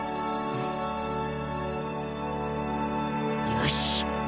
よし。